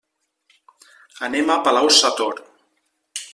Anem a Palau-sator.